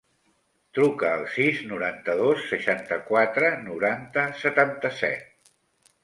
Truca al sis, noranta-dos, seixanta-quatre, noranta, setanta-set.